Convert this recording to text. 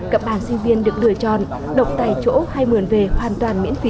cặp bàn sinh viên được lựa chọn đọc tại chỗ hay mượn về hoàn toàn miễn phí